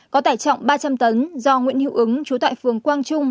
có tải trọng ba trăm linh tấn do nguyễn hữu ứng chú tại phường quang trung